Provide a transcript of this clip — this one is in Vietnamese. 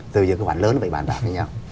cái khoản lớn thì phải bàn bạc với nhau